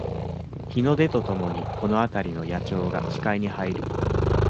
日の出とともにこのあたりの野鳥が視界に入る